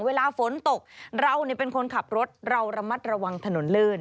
เวลาฝนตกเราเป็นคนขับรถเราระมัดระวังถนนลื่น